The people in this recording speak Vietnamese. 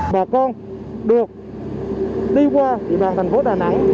bà con được đi qua địa bàn thành phố đà nẵng